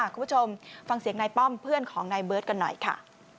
คุณผู้ชมฟังเสียงนายป้อมเพื่อนของนายเบิร์ตกันหน่อยค่ะ